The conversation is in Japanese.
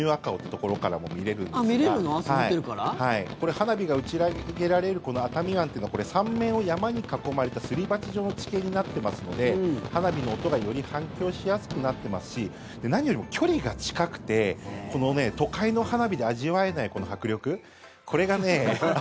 花火が打ち上げられるこの熱海湾というのは３面を山に囲まれたすり鉢状の地形になってますので花火の音がより反響しやすくなってますし何よりも距離が近くて都会の花火で味わえないこの迫力これがね。